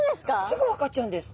すぐ分かっちゃうんです。